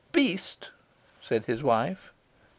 "Beast," said his wife.